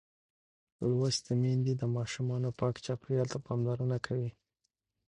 لوستې میندې د ماشوم پاک چاپېریال ته پاملرنه کوي.